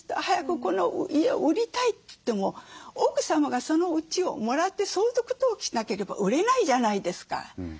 早くこの家を売りたいといっても奥様がそのうちをもらって相続登記しなければ売れないじゃないですか。